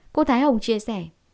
cô thái hồng chia sẻ